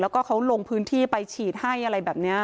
แล้วก็เขาลงพื้นที่ไปฉีดให้อะไรแบบนี้